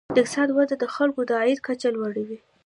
د اقتصاد وده د خلکو د عاید کچه لوړوي.